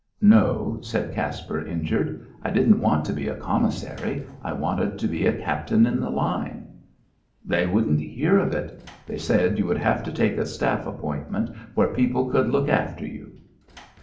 "No," said Caspar, injured. "I didn't want to be a Commissary. I wanted to be a Captain in the line." "They wouldn't hear of it. They said you would have to take a staff appointment where people could look after you."